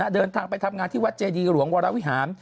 เดินทางไปทำงานที่วัดเจดีหลวงวรวิหาร